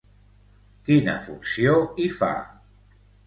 Quina funció hi fa?